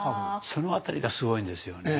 その辺りがすごいんですよね。